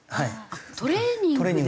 あっトレーニングで。